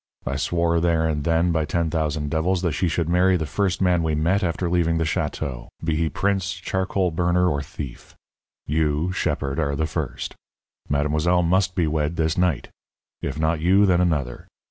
I swore there and then, by ten thousand devils, that she should marry the first man we met after leaving the château, be he prince, charcoal burner, or thief. You, shepherd, are the first. Mademoiselle must be wed this night. If not you, then another.